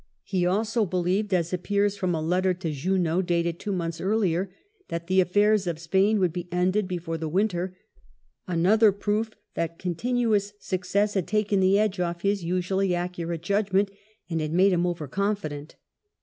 He also believed, as appears from a letter to Junot, dated two months earlier, that the affairs of Spain would be ended before the winter : another proof that continuous success had taken the edge off his usually accurate judgment and had made him over confident.